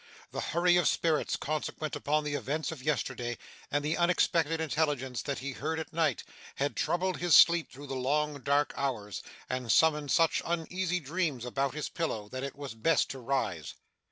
The hurry of spirits consequent upon the events of yesterday, and the unexpected intelligence he had heard at night, had troubled his sleep through the long dark hours, and summoned such uneasy dreams about his pillow that it was best to rise.